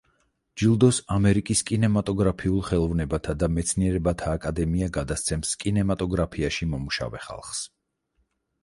ჯილდოს ამერიკის კინემატოგრაფიულ ხელოვნებათა და მეცნიერებათა აკადემია გადასცემს კინემატოგრაფიაში მომუშავე ხალხს.